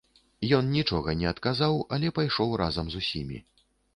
Ён нічога не адказаў, але пайшоў разам з усімі.